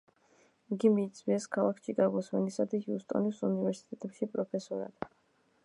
იგი მიიწვიეს ქალაქ ჩიკაგოს, ვენის და ჰიუსტონის უნივერსიტეტებში პროფესორად.